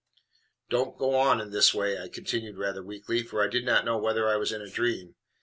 "DON'T go on in this way," I continued rather weakly, for I did not know whether I was in a dream.